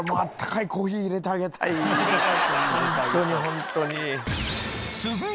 ホントにホントに。